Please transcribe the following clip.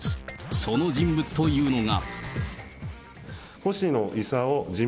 その人物というのが。